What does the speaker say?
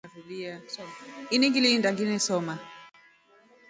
Ini ngilinda nginesoma.